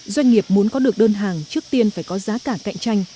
doanh nghiệp muốn có được đơn hàng trước tiên phải có giá cả cạnh tranh